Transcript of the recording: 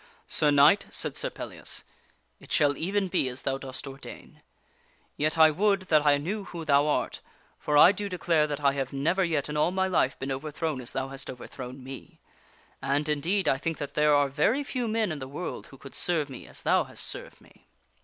" Sir Knight," said Sir Pellias, " it shall even be as thou dost ordain, THE LADY GUINEVERE IS PLEASED 109 Yet I would that I knew who thou art, for I do declare that I have never yet in all my life been overthrown as thou hast overthrown me. And, in deed, I think that there are very few men in the world who could serve me as thou hast served me."